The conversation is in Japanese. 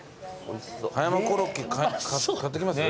葉山コロッケ買っときます？